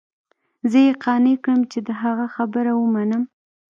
زه يې قانع كړم چې د هغه خبره ومنم.